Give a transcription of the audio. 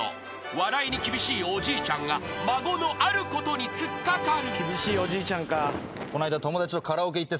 ［笑いに厳しいおじいちゃんが孫のあることに突っ掛かる］